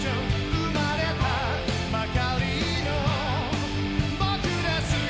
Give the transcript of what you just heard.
「生まれたばかりのぼくですが」